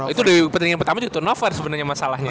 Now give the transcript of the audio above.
itu dari pertandingan pertama juga turnover sebenernya masalahnya